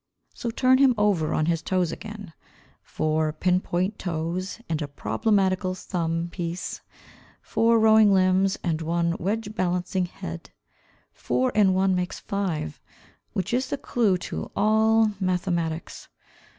So turn him over on his toes again; Four pin point toes, and a problematical thumb piece, Four rowing limbs, and one wedge balancing head, Four and one makes five, which is the clue to all mathematics.